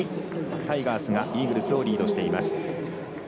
タイガースがイーグルスをリードしています。